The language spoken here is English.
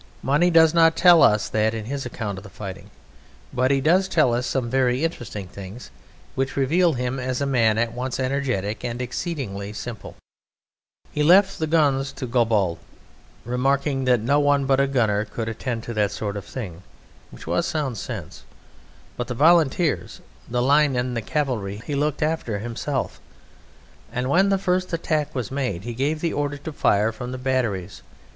Money does not tell us that in his account of the fighting, but he does tell us some very interesting things, which reveal him as a man at once energetic and exceedingly simple. He left the guns to Galbaud, remarking that no one but a gunner could attend to that sort of thing, which was sound sense; but the Volunteers, the Line, and the Cavalry he looked after himself, and when the first attack was made he gave the order to fire from the batteries.